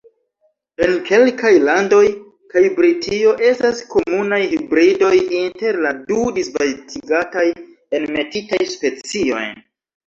En kelkaj landoj, kiaj Britio, estas komunaj hibridoj inter la du disvastigataj Enmetitaj specioj.